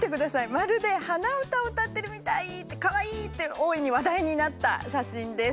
「まるで鼻歌を歌ってるみたい」「かわいい」って大いに話題になった写真です。